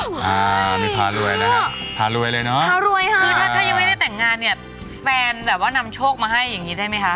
อันนี้พารวยนะพารวยเลยเนอะพารวยค่ะคือถ้าถ้ายังไม่ได้แต่งงานเนี่ยแฟนแบบว่านำโชคมาให้อย่างนี้ได้ไหมคะ